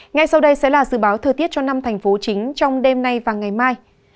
ngay sau đây sẽ là dự báo thời tiết cho năm thành phố chính trong đêm nay và ngày mai